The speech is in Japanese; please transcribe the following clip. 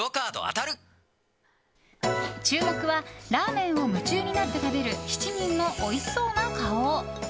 注目はラーメンを夢中になって食べる７人のおいしそうな顔。